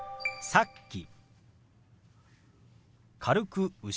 「さっき」。